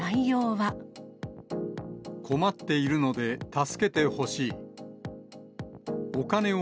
困っているので助けてほしい。